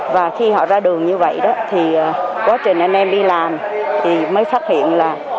và khi họ ra đường như vậy đó thì quá trình anh em đi làm thì mới phát hiện là